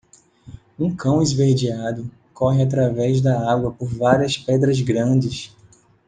Um cão esverdeado corre através da água por várias pedras grandes.